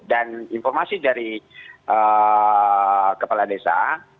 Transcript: dan informasi dari kepala desa